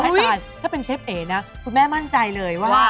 อาจารย์ถ้าเป็นเชฟเอ๋นะคุณแม่มั่นใจเลยว่า